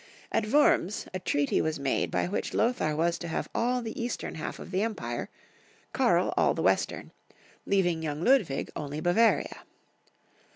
At Wurms, a treaty was made by which Lothar was to have all the eastern half of the empire, Karl all the western, leaving young Ludwig only Bavaria.